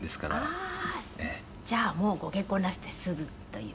黒柳：じゃあ、もうご結婚なすって、すぐという。